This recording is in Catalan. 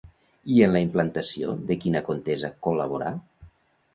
I en la implantació de quina contesa col·laborà?